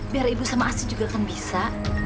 biar ibu dan asyik juga bisa